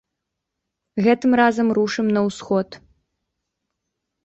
Гэтым разам рушым на ўсход.